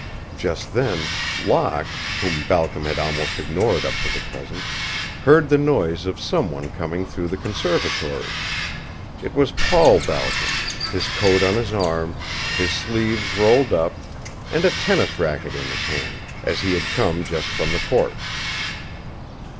Just then Locke, whom Balcom had almost ignored up to the present, heard the noise of some one coming through the conservatory. It was Paul Balcom, his coat on his arm, his sleeves rolled up, and a tennis racquet in his hand, as he had come just from the courts.